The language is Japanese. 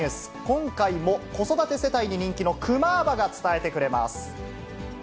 今回も子育て世帯に人気のクマーバが伝えてくれます。